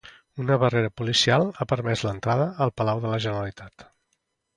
Una barrera policial ha permès l'entrada al Palau de la Generalitat